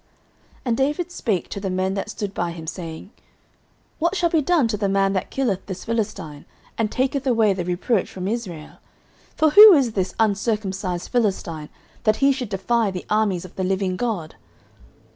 09:017:026 And David spake to the men that stood by him, saying, What shall be done to the man that killeth this Philistine, and taketh away the reproach from Israel? for who is this uncircumcised Philistine, that he should defy the armies of the living God?